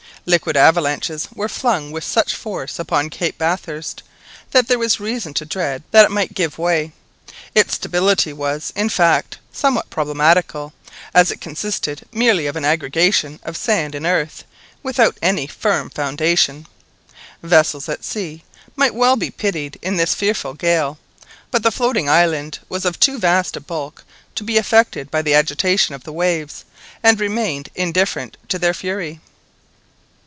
Liquid avalanches were flung with such force upon Cape Bathurst, that there was reason to dread that it might give way; its stability was, in fact, somewhat problematical, as it consisted merely of an aggregation of sand and earth, without any firm foundation. Vessels at sea might well be pitied in this fearful gale, but the floating island was of too vast a bulk to be affected by the agitation of the waves, and remained indifferent to their fury.